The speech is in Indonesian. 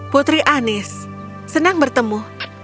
putri anis senang bertemu